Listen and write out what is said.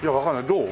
どう？